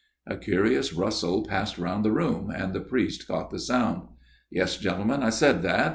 " A curious rustle passed round the room, and the priest caught the sound. " Yes, gentlemen, I said that.